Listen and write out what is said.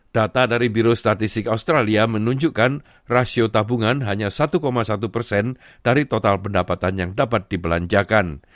data dari biro statistik australia menunjukkan rasio tabungan hanya satu satu persen dari total pendapatan yang dapat dibelanjakan